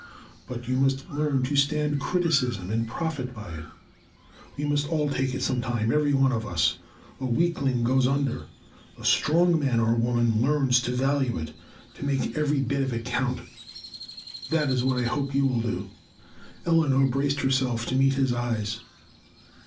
But you must learn to stand criticism and profit by it. We must all take it sometime, every one of us. A weakling goes under. A strong man or woman learns to value it, to make every bit of it count. That is what I hope you will do." Eleanor braced herself to meet his eyes.